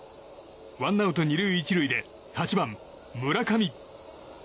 ワンアウト２塁１塁で８番、村上。